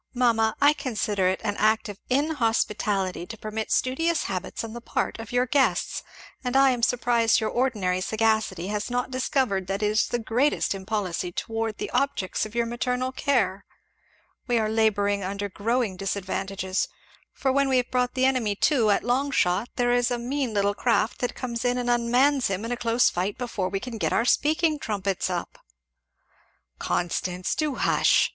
Mamma, I consider it an act of inhospitality to permit studious habits on the part of your guests. And I am surprised your ordinary sagacity has not discovered that it is the greatest impolicy towards the objects of your maternal care. We are labouring under growing disadvantages; for when we have brought the enemy to at long shot there is a mean little craft that comes in and unmans him in a close fight before we can get our speaking trumpets up." "Constance! Do hush!"